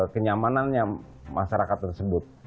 kenyamanan yang masyarakat tersebut